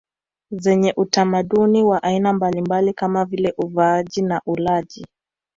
zenye utamaduni wa aina mbalimbali kama vile uvaaji na ulaji